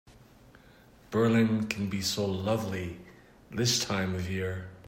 Berlin can be so lovely this time of year.